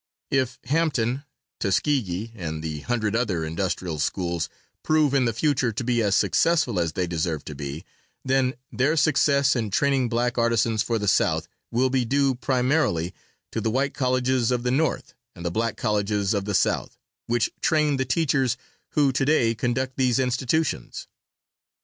If Hampton, Tuskegee and the hundred other industrial schools prove in the future to be as successful as they deserve to be, then their success in training black artisans for the South, will be due primarily to the white colleges of the North and the black colleges of the South, which trained the teachers who to day conduct these institutions.